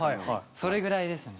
それぐらいですね。